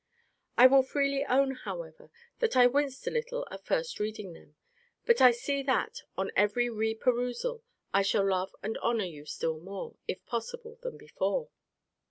I will freely own, however, that I winced a little at first reading them. But I see that, on every re perusal, I shall love and honour you still more, if possible, than before.